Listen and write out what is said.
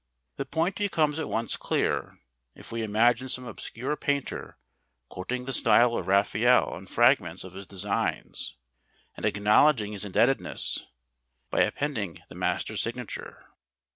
The point becomes at once clear if we imagine some obscure painter quoting the style of Raphael and fragments of his designs, and acknowledging his indebtedness by appending the master's signature.